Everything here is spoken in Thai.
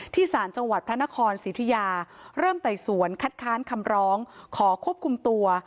สารจังหวัดพระนครสิทธิยาเริ่มไต่สวนคัดค้านคำร้องขอควบคุมตัว